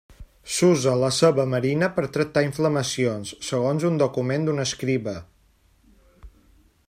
S'usa la ceba marina per tractar inflamacions, segons un document d'un escriba.